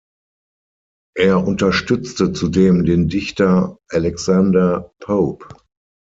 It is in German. Er unterstützte zudem den Dichters Alexander Pope.